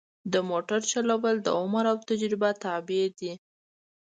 د موټر چلول د عمر او تجربه تابع دي.